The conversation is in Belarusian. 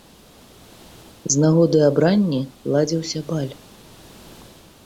З нагоды абранні ладзіўся баль.